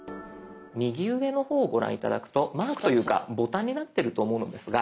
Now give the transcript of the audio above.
右上の方をご覧頂くとマークというかボタンになってると思うのですが。